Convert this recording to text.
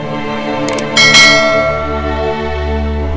jika aku tersisa